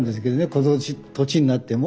この年になっても。